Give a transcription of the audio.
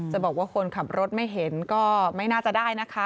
จะบอกว่าคนขับรถไม่เห็นก็ไม่น่าจะได้นะคะ